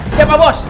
siap pak bos